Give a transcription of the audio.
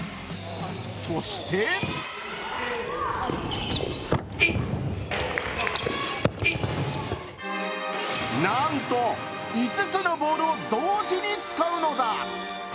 そしてなんと５つのボールを同時に使うのだ。